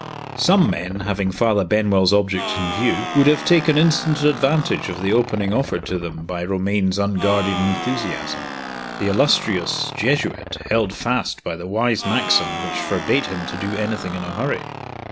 Some men, having Father Benwell's object in view, would have taken instant advantage of the opening offered to them by Romayne's unguarded enthusiasm. The illustrious Jesuit held fast by the wise maxim which forbade him to do anything in a hurry.